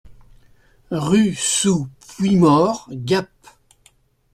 Rue sous Puymaure, Gap